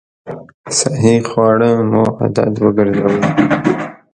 صحي خواړه مو عادت وګرځوئ!